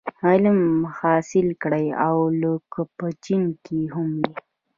علم حاصل کړی و لو که په چين کي هم وي.